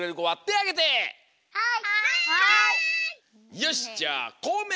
よしじゃあこうめいくん。